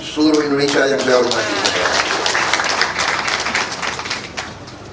seluruh indonesia yang saya hormati